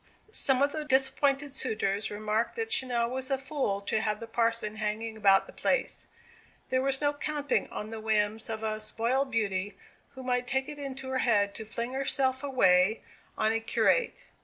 Some of the disappointed suitors remarked that Channell was a fool to have the parson hanging about the place; there was no counting on the whims of a spoiled beauty, who might take it into her head to fling herself away on a curate.